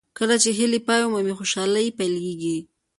کله چې هیلې پای ومومي خوشالۍ پیلېږي.